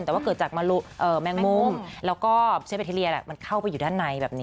แต่ว่าเกิดจากแมงมุมแล้วก็เชฟแบคทีเรียมันเข้าไปอยู่ด้านในแบบนี้